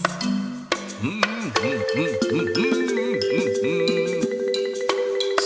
untuk mengingatkan permen